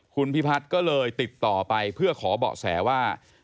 คุณพิพัฒน์ก็เลยติดต่อไปเพื่อขอเบาะแสว่า